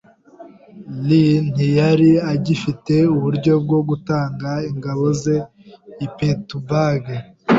Lee ntiyari agifite uburyo bwo gutanga ingabo ze i Petersburg.